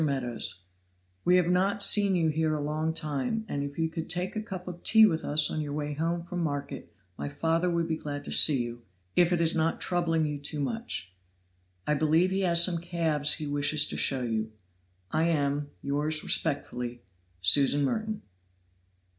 MEADOWS We have not seen you here a long time, and if you could take a cup of tea with us on your way home from market, my father would be glad to see you, if it is not troubling you too much. "I believe he has some calves he wishes to show you. "I am, yours respectfully, "SUSAN MERTON.